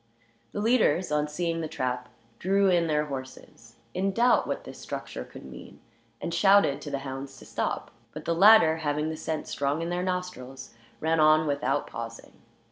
The leaders, on seeing the trap, drew in their horses, in doubt what this structure could mean, and shouted to the hounds to stop. But the latter, having the scent strong in their nostrils, ran on without pausing.